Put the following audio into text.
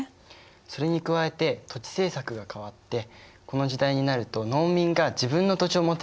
それに加えて土地政策が変わってこの時代になると農民が自分の土地を持てるようになったんだね。